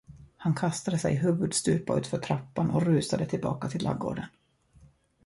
Han kastade sig huvudstupa utför trappan och rusade tillbaka till lagården.